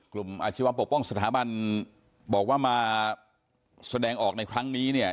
อาชีวะปกป้องสถาบันบอกว่ามาแสดงออกในครั้งนี้เนี่ย